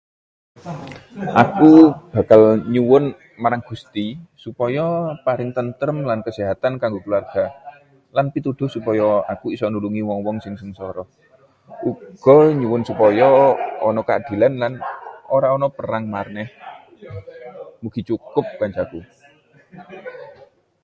Aku bakal nyuwun marang Gusti supaya paring tentrem lan kesehatan kanggo keluarga, lan pituduh supaya aku isa nulungi wong-wong sing sengsara. Uga nyuwun supaya ana kaadilan lan ora ana perang maneh. Mugi cukup, kancaku.